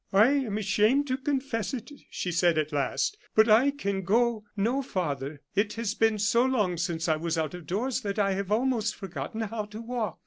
"I am ashamed to confess it," she said at last, "but I can go no farther. It has been so long since I was out of doors that I have almost forgotten how to walk."